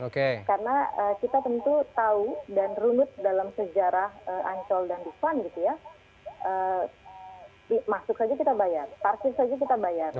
karena kita tentu tahu dan rumit dalam sejarah ancol dan bipan masuk saja kita bayar parkir saja kita bayar